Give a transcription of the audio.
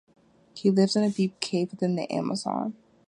He lives in a deep cave within the Amazon.